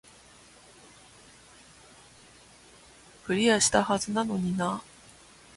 クリアしたはずなのになー